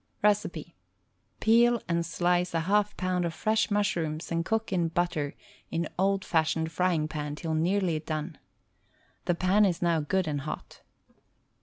Recipe Peel and slice a half pound of fresh mushrooms and cook in butter in old fashioned frying pan till nearly done. The pan is now good and hot.